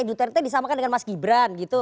duterte disamakan dengan mas gibran gitu